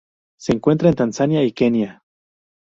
Se encuentra en Tanzania y Kenia.